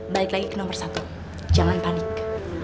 balik lagi ke nomor satu jangan panik